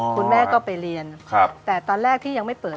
คุณแม่ก็ไปเรียนแต่ตอนแรกที่ยังไม่เปิด